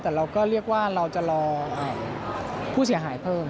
แต่เราก็เรียกว่าเราจะรอผู้เสียหายเพิ่ม